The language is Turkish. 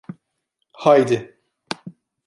Haydi.